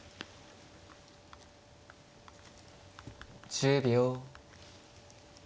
１０秒。